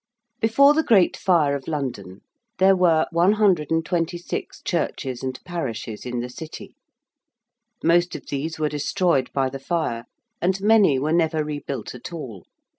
Before the Great Fire of London there were 126 churches and parishes in the City. Most of these were destroyed by the Fire, and many were never rebuilt at all.